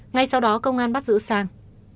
ngay sau đó công an bắt giữ sang